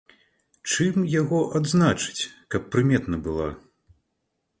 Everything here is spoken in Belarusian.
Чым яго адзначыць, каб прыметна была?